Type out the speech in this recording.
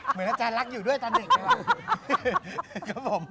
เหมือนอาจารย์รักอยู่ด้วยตอนเด็ก